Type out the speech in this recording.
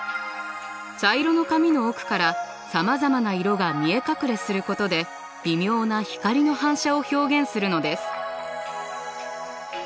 茶色の髪の奥からさまざまな色が見え隠れすることで微妙な光の反射を表現するのです。